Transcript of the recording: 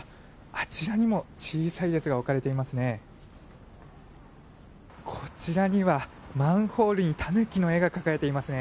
あちらにも小さいですが置かれていますね。